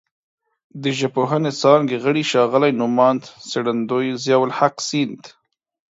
د ژبپوهنې څانګې غړي ښاغلي نوماند څېړندوی ضیاءالحق سیند